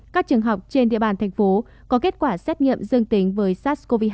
các trường học trên địa bàn thành phố có kết quả xét nghiệm dương tính với sars cov hai